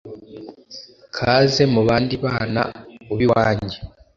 Kaze mubandi bana ubiwanje……